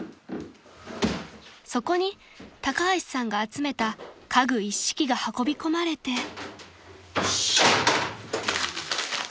［そこに高橋さんが集めた家具一式が運び込まれて］